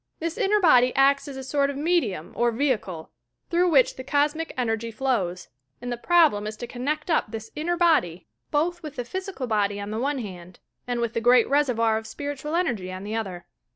This inner body acts as a sort of me dium or vehicle, through which the cosmic energy flows ; and the problem is to connect up this inner body both TOUR PSYCHIC POWERS with the physical body on the one hand, and with the great reservoir of spiritual energy on the other.